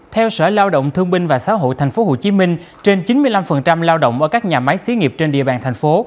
theo sở lao động thương binh và xã hội tp hcm trên chín mươi năm lao động ở các nhà máy xí nghiệp trên địa bàn thành phố